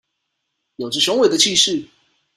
有著雄偉的氣勢